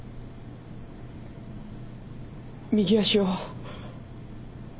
右足を。